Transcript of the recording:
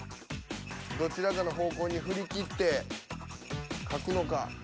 どちらかの方向に振り切って描くのか。